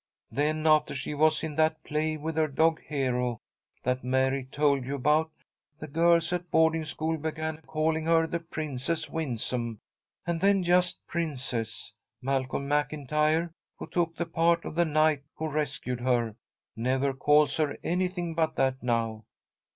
"Then, after she was in that play with her dog Hero, that Mary told you about, the girls at boarding school began calling her the Princess Winsome, and then just Princess. Malcolm McIntyre, who took the part of the knight who rescued her, never calls her anything but that now.